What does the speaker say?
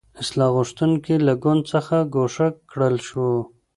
اصلاح غوښتونکي له ګوند څخه ګوښه کړل شو.